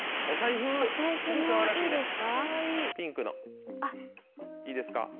お財布もいいですか？